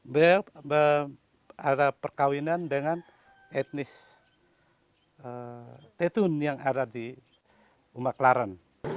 berada perkawinan dengan etnis tetun yang ada di umaklaran